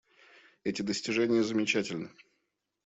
Эти достижения замечательны.